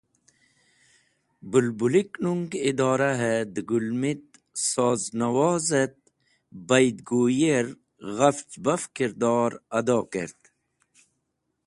Bulbulik nung Idorahe de Gulmit Soz Nawoz et Baidguyi er ghafch baf kirdor ado kert.